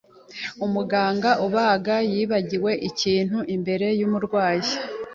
Umuganga ubaga yibagiwe ikintu imbere yumurwayi.